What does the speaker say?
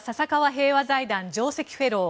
平和財団上席フェロー